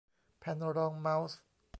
แผ่นรองเม้าส์